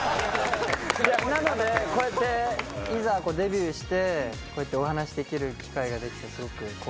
なのでこうやっていざこうデビューしてこうやってお話しできる機会ができてすごく光栄です。